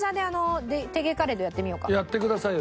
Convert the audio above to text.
やってくださいよ